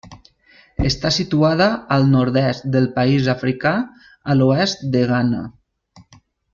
Està situada al nord-est del país africà, a l'oest de Ghana.